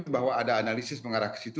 bahwa ada analisis mengarah ke situ